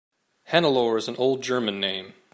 Hannelore is an old German name.